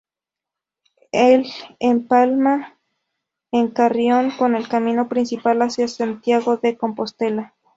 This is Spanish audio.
El empalma en Carrión con el camino principal hacia Santiago de Compostela.